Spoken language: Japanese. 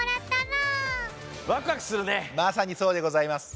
まさにそうでございます。